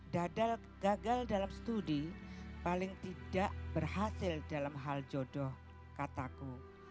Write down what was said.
dadal gagal dalam studi paling tidak berhasil dalam hal jodoh kataku